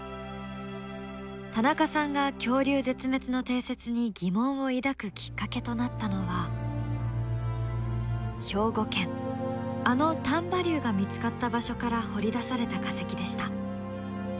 田中さんが恐竜絶滅の定説に疑問を抱くきっかけとなったのは兵庫県あの丹波竜が見つかった場所から掘り出された化石でした。